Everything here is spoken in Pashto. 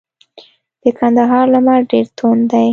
د کندهار لمر ډیر توند دی.